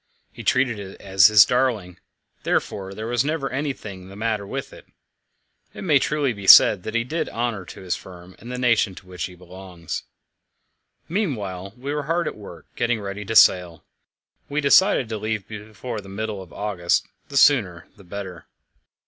He treated it as his darling; therefore there was never anything the matter with it. It may truly be said that he did honour to his firm and the nation to which he belongs. Meanwhile we were hard at work, getting ready to sail. We decided to leave before the middle of August the sooner the better.